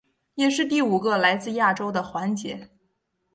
也是第五个来自亚洲的环姐。